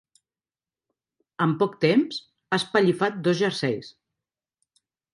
En poc temps, ha espellifat dos jerseis.